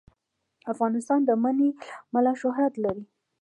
افغانستان د منی له امله شهرت لري.